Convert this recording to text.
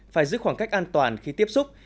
phải giữ khoảng cách an toàn khi tiếp xúc